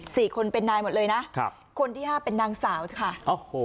สี่คนเป็นนายหมดเลยนะครับคนที่ห้าเป็นนางสาวค่ะโอ้โห